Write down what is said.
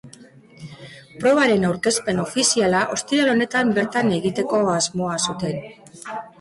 Probaren aurkezpen ofiziala ostiral honetan bertan egiteko asmoa zuten.